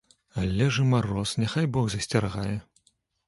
Але ж і мароз, няхай бог засцерагае!